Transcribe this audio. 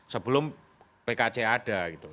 sebelum pkc ada gitu